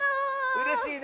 うれしいね！